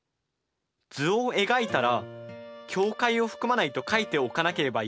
図を描いたら「境界を含まない」と書いておかなければいけませんね。